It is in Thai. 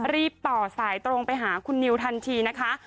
ต่อสายตรงไปหาคุณนิวทันทีนะคะ